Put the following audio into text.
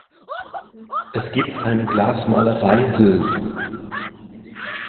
Es gibt ein Glasmalerei hl.